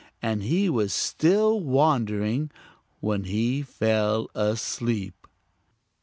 And he was still wondering when he fell asleep.